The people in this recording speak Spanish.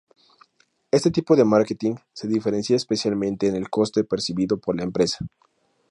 Este tipo de marketing se diferencia especialmente en el coste percibido por la empresa.